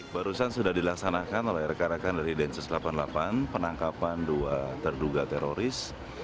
barusan sudah dilaksanakan oleh rekan rekan dari densus delapan puluh delapan penangkapan dua terduga teroris